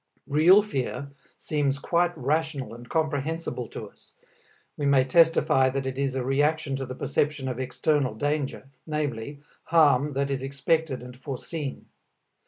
Real fear seems quite rational and comprehensible to us. We may testify that it is a reaction to the perception of external danger, viz., harm that is expected and foreseen.